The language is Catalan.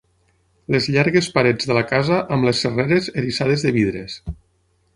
Les llargues parets de la casa amb les serreres eriçades de vidres.